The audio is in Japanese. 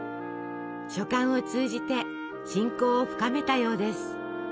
書簡を通じて親交を深めたようです。